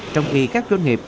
trong kỳ các doanh nghiệp